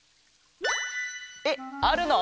えっあるの？